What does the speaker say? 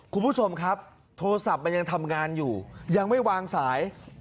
คุณผู้ชมครับโทรศัพท์มันยังทำงานอยู่ยังไม่วางสาย